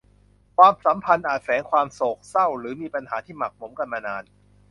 ความสัมพันธ์อาจแฝงความโศกเศร้าหรือมีปัญหาที่หมักหมมกันมานาน